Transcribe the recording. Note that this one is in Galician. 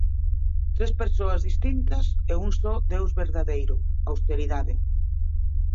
Tres persoas distintas e un só Deus verdadeiro: Austeridade.